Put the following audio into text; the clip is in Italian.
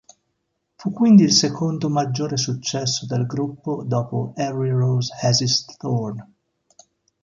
Fu quindi il secondo maggiore successo del gruppo dopo "Every Rose Has Its Thorn".